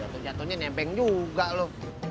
jatuh jatuhnya nebeng juga lo